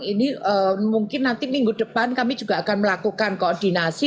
ini mungkin nanti minggu depan kami juga akan melakukan koordinasi